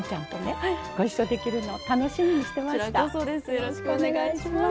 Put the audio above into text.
よろしくお願いします。